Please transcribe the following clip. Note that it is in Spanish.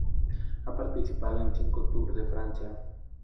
Ha participado en cinco Tour de Francia.